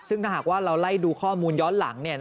ซึ่งถ้าหากว่าเราไล่ดูข้อมูลย้อนหลัง